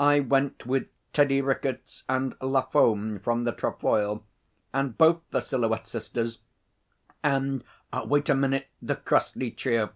I went with Teddy Rickets and Lafone from the Trefoil, and both the Silhouette Sisters, and wait a minute! the Crossleigh Trio.